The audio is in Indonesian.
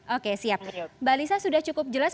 oke siap mbak lisa sudah cukup jelas